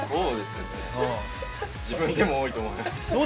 自分でも多いと思います。